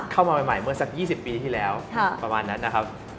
เข้ามาใหม่เมื่อสัก๒๐ปีที่แล้วประมาณนั้นนะครับ